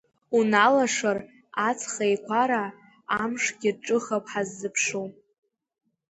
Уналашыр аҵх еиқәара, амшгьы ҿыхап ҳаззыԥшу.